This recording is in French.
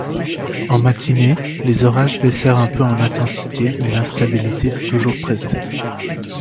En matinée, les orages baissèrent un peu en intensité mais l'instabilité était toujours présente.